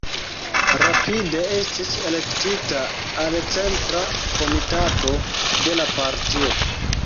Rapide estis elektita al centra komitato de la partio.